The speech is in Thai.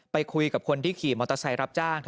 ไปคุยกับคนที่ขี่มอเตอร์ไซค์รับจ้าง